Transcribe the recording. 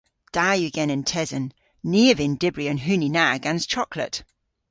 Da yw genen tesen. Ni a vynn dybri an huni na gans choklet.